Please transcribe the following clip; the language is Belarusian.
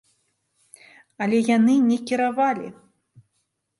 Але яны не кіравалі!